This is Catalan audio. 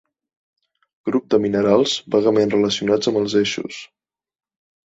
Grup de minerals vagament relacionats amb els eixos.